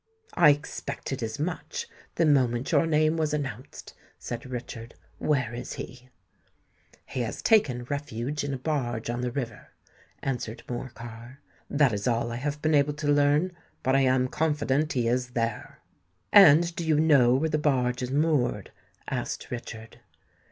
"I expected as much, the moment your name was announced," said Richard. "Where is he?" "He has taken refuge in a barge on the river," answered Morcar. "That is all I have been able to learn; but I am confident he is there." "And do you know where the barge is moored?" asked Richard.